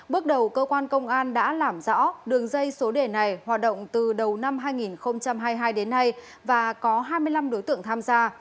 bước đầu cơ quan công an đã làm rõ đường dây số đề này hoạt động từ đầu năm hai nghìn hai mươi hai đến nay và có hai mươi năm đối tượng tham gia